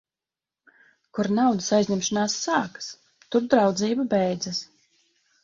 Kur naudas aizņemšanās sākas, tur draudzība beidzas.